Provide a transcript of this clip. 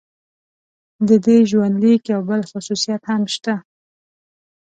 د دې ژوندلیک یو بل خصوصیت هم شته.